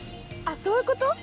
そういうこと？